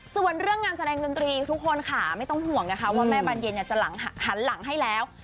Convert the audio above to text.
ส่วนเรื่องงานแสดงดนตรีทุกคนค่ะไม่ต้องห่วงนะคะว่าแม่บานเย็นจะหันหลังให้แล้ว